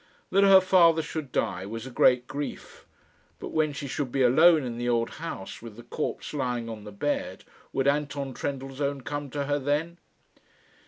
That her father should die was a great grief. But when she should be alone in the old house, with the corpse lying on the bed, would Anton Trendellsohn come to her then?